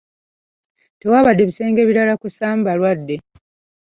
Tewaabadde bisenge birala kussaamu balwadde.